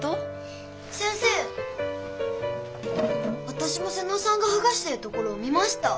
わたしも妹尾さんがはがしてるところを見ました！